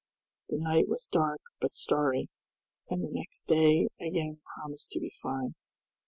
The night was dark but starry, and the next day again promised to be fine.